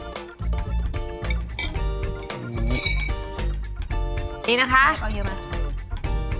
ดีนะคะ